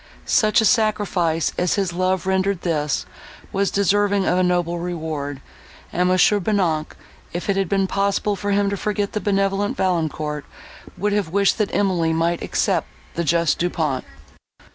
Such a sacrifice as his love rendered this, was deserving of a noble reward, and Mons. Bonnac, if it had been possible for him to forget the benevolent Valancourt, would have wished that Emily might accept the just Du Pont.